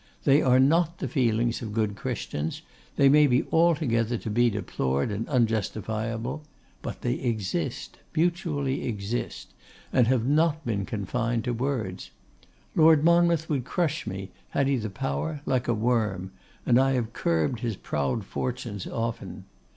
They are not the feelings of good Christians; they may be altogether to be deplored and unjustifiable; but they exist, mutually exist; and have not been confined to words. Lord Monmouth would crush me, had he the power, like a worm; and I have curbed his proud fortunes often.